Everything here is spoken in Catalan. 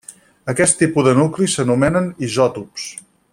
Aquests tipus de nuclis s'anomenen isòtops.